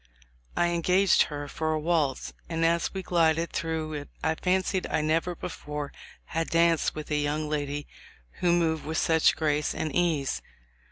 I engaged her for a waltz, and as we glided through it I fancied I never before had danced with a young lady who moved with such grace and ease.